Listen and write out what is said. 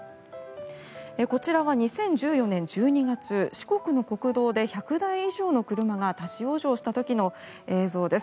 こちらが２０１４年１２月四国の国道で１００台以上の車が立ち往生した時の映像です。